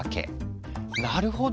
なるほど！